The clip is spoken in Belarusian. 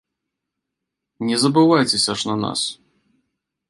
Не забывайцеся ж на нас.